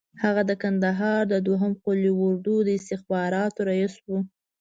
هغه د کندهار د دوهم قول اردو د استخباراتو رییس وو.